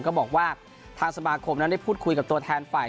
ก็บอกว่าทางสมาคมนั้นได้พูดคุยกับตัวแทนฝ่าย